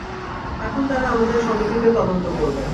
এখন তারা আমাদের সমিতিতে তদন্ত করবে!